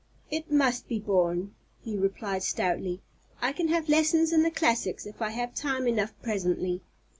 "It must be borne," he replied stoutly. "I can have lessons in the classics if I have time enough presently.